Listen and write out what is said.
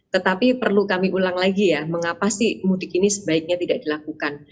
tetapi perlu kami ulang lagi ya mengapa sih mudik ini sebaiknya tidak dilakukan